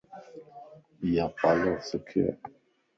ايا پالر سکي